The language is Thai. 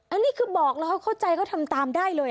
อันนี้คือบอกแล้วเข้าใจเขาทำตามได้เลย